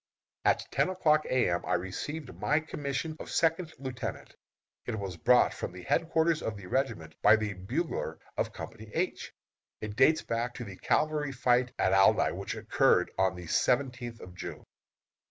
At ten o'clock A. M. I received my commission of second lieutenant. It was brought from the headquarters of the regiment by the bugler of Company H. It dates back to the cavalry fight at Aldie, which occurred on the seventeenth of June.